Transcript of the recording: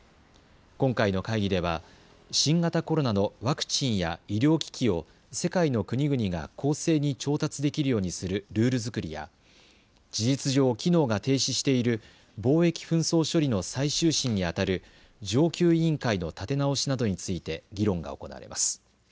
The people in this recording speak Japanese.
今回の会議では新型コロナのワクチンや医療機器を世界の国々が公正に調達できるようにするルール作りや事実上、機能が停止している貿易紛争処理の最終審にあたる上級委員会の立て直しなどについて議論が行われます。